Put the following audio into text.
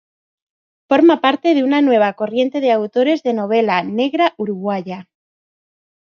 Forma parte de una nueva corriente de autores de novela negra uruguaya.